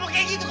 lu ngerti tuh